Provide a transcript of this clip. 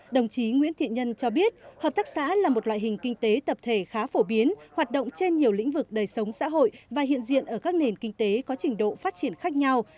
đồng chí nguyễn thiện nhân cho biết hợp tác xã là một loại hình kinh tế tập thể khá phổ biến hoạt động trên nhiều lĩnh vực đời sống xã hội và hiện diện ở các nền kinh tế có trình độ phát triển khác nhau